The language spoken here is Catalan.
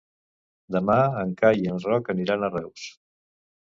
Demà en Cai i en Roc aniran a Reus.